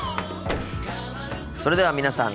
それでは皆さん